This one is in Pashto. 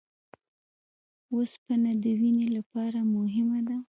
اوسپنه د وینې لپاره مهمه ده